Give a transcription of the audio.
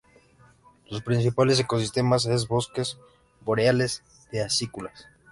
Su principal ecosistema es bosques boreales de acículas.